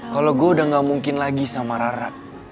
kalau gue udah gak mungkin lagi sama rara